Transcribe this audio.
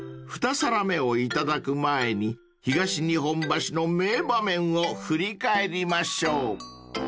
［二皿目をいただく前に東日本橋の名場面を振り返りましょう］